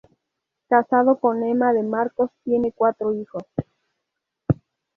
Casado con Ema de Marcos, tiene cuatro hijos.